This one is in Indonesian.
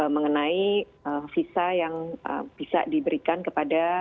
mengenai visa yang bisa diberikan kepada